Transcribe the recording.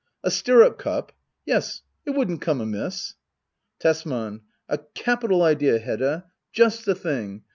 ] A stirrup cup ? Yes^ it wouldn't come amiss. Tesman. A capital idea, Hedda ! Just the thing